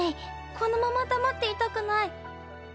このまま黙っていたくない。